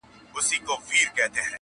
زه پوهېږم په دوږخ کي صوبه دار دئ٫